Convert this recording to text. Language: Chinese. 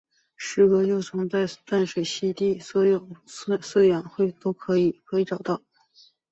石蛾幼虫在淡水栖息地的所有饲养行会都可以被找到。